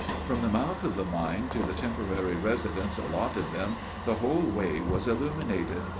From the mouth of the mine to the temporary residence allotted them, the whole way was illuminated.